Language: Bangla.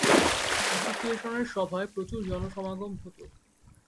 অ্যাসোসিয়েশনের সভায় প্রচুর জনসমাগম হতো।